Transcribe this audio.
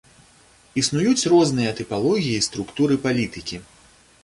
Існуюць розныя тыпалогіі структуры палітыкі.